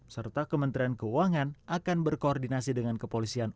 serta kementerian keuangan akan berkoordinasi dengan kementerian pertagangan